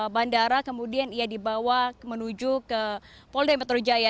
bandara kemudian ia dibawa menuju ke polda metrojaya